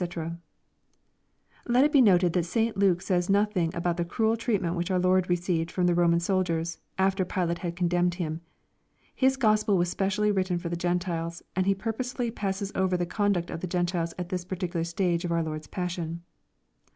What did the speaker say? ] Let it be noted, that St. Luke says nothing about the cruel treatment which our Lord received from tlie Roman soldiers, after Pilate had condemned Him. Hia Gospel was specially written for the Gentiles, and he purposely passes over the conduct of the Gentiles at this particular stage of our Lord's passion.